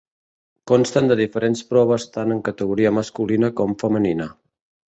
Consten de diferents proves tant en categoria masculina com femenina.